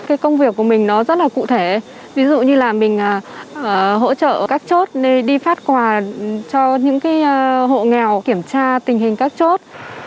cái công việc của mình nó rất là cụ thể ví dụ như là mình hỗ trợ các chốt đi phát quà cho những hộ nghèo kiểm tra tình hình các chốt